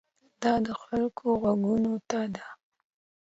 دا د خلکو غوږونو ته ده.